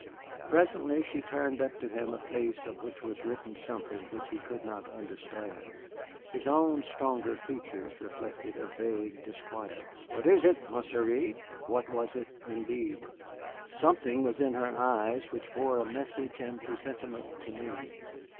Presently she turned up to him a face on which was written something which he could not understand. His own stronger features reflected a vague disquiet. "What is it, ma chérie?" What was it indeed? Something was in her eyes which bore a message and presentiment to me.